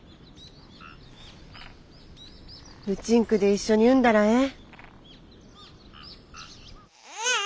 うちんくで一緒に産んだらええ。